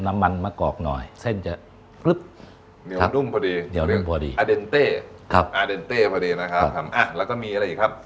อ่ะแล้วก็มีอะไรอีกครับ